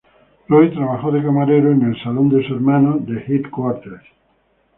Roy trabajó de camarero en el saloon de su hermano, "The Headquarters".